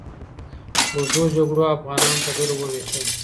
اوږدو جګړو افغانان په ډلو وویشل.